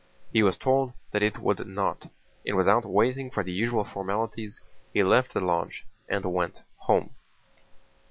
He was told that it would not, and without waiting for the usual formalities he left the lodge and went home.